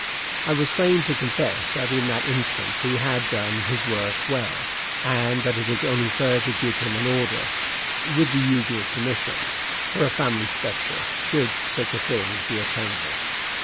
I was fain to confess that in that instance he had done his work well, and that it was only fair to give him an order with the usual commission for a family spectre, should such a thing be attainable.